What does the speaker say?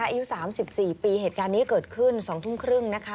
อายุ๓๔ปีเหตุการณ์นี้เกิดขึ้น๒ทุ่มครึ่งนะคะ